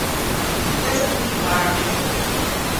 Yth esowgh hwi war an treth.